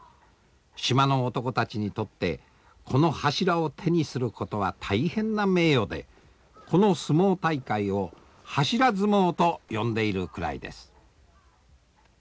島の男たちにとってこの柱を手にすることは大変な名誉でこの相撲大会を「柱相撲」と呼んでいるくらいです。